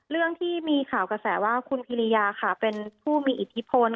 เรื่องที่มีข่าวกระแสว่าคุณพิริยาค่ะเป็นผู้มีอิทธิพล